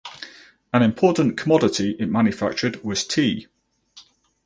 An important commodity it manufactured was tea.